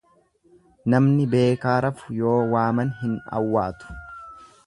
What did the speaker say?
Namni beekaa rafu yoo waaman hin awwaatu.